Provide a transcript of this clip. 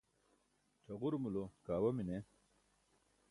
cʰaġurumulo kaawa mine